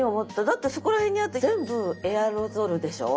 だってそこら辺にあって全部エアロゾルでしょ。